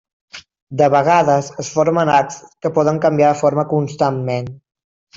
De vegades, es formen arcs que poden canviar de forma constantment.